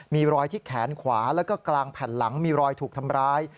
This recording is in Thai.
มีรอยที่แขนขวาแล้วก็กลางแผ่นหลังมีรอยถูกทำร้าย